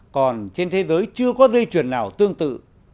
còn trên thế giới chưa có dây chuyển nào tương tự